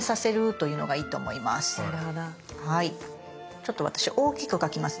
ちょっと私大きく描きますね